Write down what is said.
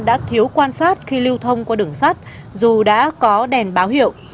đã thiếu quan sát khi lưu thông qua đường sắt dù đã có đèn báo hiệu